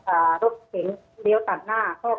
อันดับที่สุดท้าย